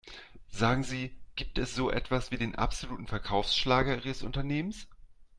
Sagen Sie, gibt es so etwas wie den absoluten Verkaufsschlager ihres Unternehmens?